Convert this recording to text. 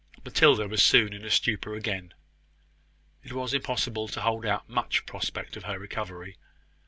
Matilda was soon in a stupor again. It was impossible to hold out much prospect of her recovery.